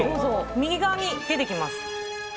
右側に出てきます。